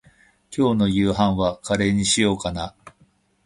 今日の夕飯はカレーにしようかな。